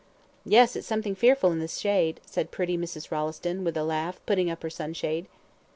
"Yes, it's something fearful in the shade," said pretty Mrs. Rolleston, with a laugh, putting up her sunshade.